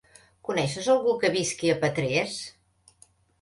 Coneixes algú que visqui a Petrés?